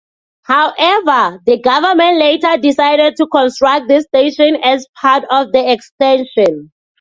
However, the government later decided to construct this station as part of the extension.